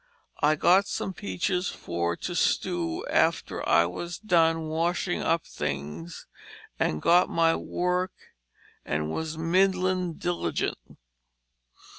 I got some peaches for to stew after I was done washing up the things and got my work and was midlin Diligent.